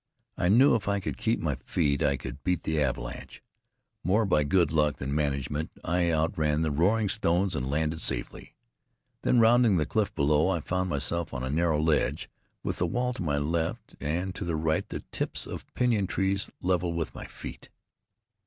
I knew if I could keep my feet I could beat the avalanche. More by good luck than management I outran the roaring stones and landed safely. Then rounding the cliff below, I found myself on a narrow ledge, with a wall to my left, and to the right the tips of pinyon trees level with my feet.